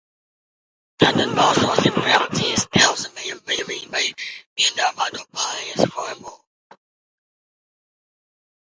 "Tātad balsosim frakcijas "Tēvzemei un brīvībai" piedāvāto pārejas formulu."